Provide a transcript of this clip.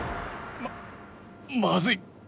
ままずい！